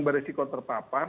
paling beresiko terpapar